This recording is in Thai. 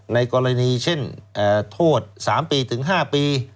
ในกรณีเช่นโทษ๓๕ปี